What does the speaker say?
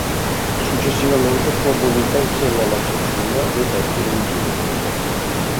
Successivamente fu abolita insieme alla censura dei testi religiosi.